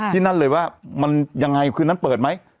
ที่นั่นเลยว่ามันยังไงคืนนั้นเปิดไหม